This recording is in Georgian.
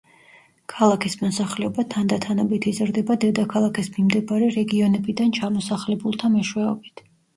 ქალაქის მოსახლეობა თანდათანობით იზრდება დედაქალაქის მიმდებარე რეგიონებიდან ჩამოსახლებულთა მეშვეობით.